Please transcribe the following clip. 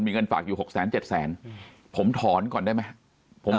มีเงินฝากอยู่๖๐๐๐๐๐๗๐๐๐๐๐ผมถอนก่อนได้ไหม